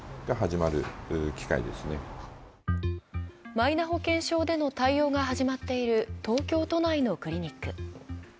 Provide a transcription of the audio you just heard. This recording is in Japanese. マイナ保険証での対応が始まっている東京都内のクリニック。